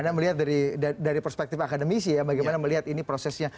anda melihat dari perspektif akademisi ya bagaimana melihat ini prosesnya